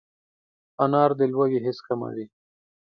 انار د لوږې حس کموي.